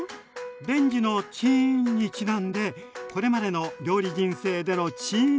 レンジの「チーン」にちなんでこれまでの料理人生でのチーン